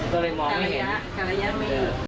กะระยะไม่อยู่